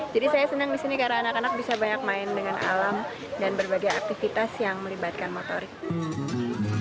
jadi saya senang di sini karena anak anak bisa banyak main dengan alam dan berbagai aktivitas yang melibatkan motorik